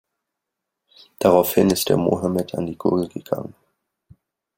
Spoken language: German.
Daraufhin ist er Mohammad an die Gurgel gegangen.